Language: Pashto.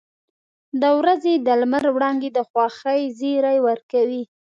• د ورځې د لمر وړانګې د خوښۍ زیری ورکوي.